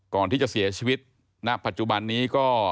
ก่อนที่จะเสียชีวิตณปัจจุบันนี้ก็